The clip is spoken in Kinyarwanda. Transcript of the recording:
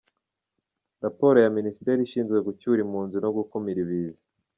Raporo ya Minisiteri ishinzwe gucyura impunzi no gukumira ibiza.